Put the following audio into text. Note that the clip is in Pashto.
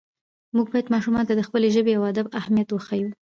موږ باید ماشومانو ته د خپلې ژبې او ادب اهمیت وښیو